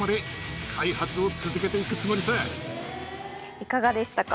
いかがでしたか？